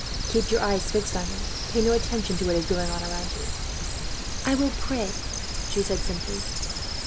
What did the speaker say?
"Keep your eyes fixed on me. Pay no attention to what is going on around you." "I will pray," she said simply.